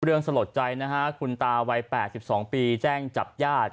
เรื่องสะลดใจนะคะคุณตาวัย๘๒ปีแจ้งจับญาติ